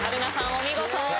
お見事。